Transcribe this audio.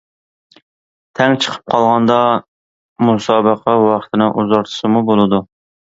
تەڭ چىقىپ قالغاندا مۇسابىقە ۋاقتىنى ئۇزارتسىمۇ بولىدۇ.